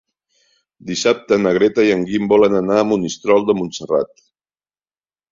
Dissabte na Greta i en Guim volen anar a Monistrol de Montserrat.